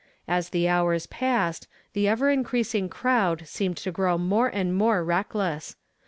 As the hours passed, the ever increasing crowd seemed to grow more and more re'3kless.